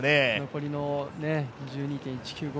残りの１２．１９５